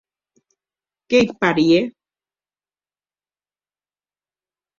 Qu'ei parièr.